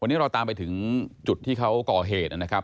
วันนี้เราตามไปถึงจุดที่เขาก่อเหตุนะครับ